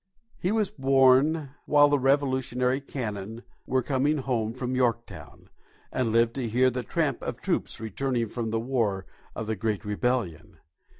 He was born while the Revolutionary cannon were coming home from Yorktown, and lived to hear the tramp of troops returning from the war of the great Rebellion.